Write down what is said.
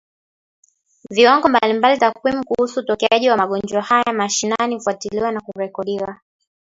viwango mbalimbali Takwimu kuhusu utokeaji wa magonjwa haya mashinani hufuatiliwa na kurekodiwa